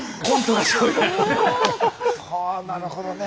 はあなるほどね。